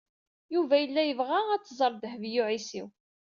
Yuba yella yebɣa ad tẓer Dehbiya u Ɛisiw.